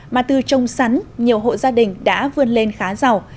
mà từ trồng sắn nhiều hộ gia đình đã vươn lên khá giàu